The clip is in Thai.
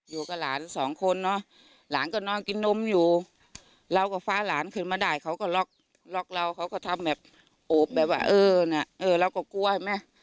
อยู่กับหลานสองคนเนอะหลานก็นอนกินนมอยู่เราก็ฟ้าหลานขึ้นมาได้เขาก็ล็อกล็อกเราเขาก็ทำแบบโอบแบบว่าเออน่ะเออเราก็กลัวเห็นไหม